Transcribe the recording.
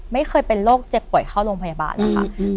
ไม่เคยเป็นโรคเจ็บป่วยเข้าโรงพยาบาลนะคะ